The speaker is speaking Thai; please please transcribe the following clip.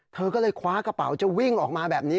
เธอก็เลยคว้ากระเป๋าจะวิ่งออกมาแบบนี้